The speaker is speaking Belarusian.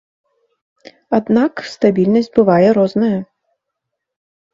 Аднак стабільнасць бывае розная.